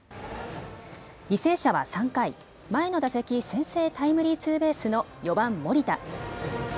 履正社は３回、前の打席、先制タイムリーツーベースの４番・森田。